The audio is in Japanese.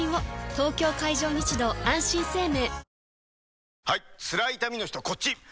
東京海上日動あんしん生命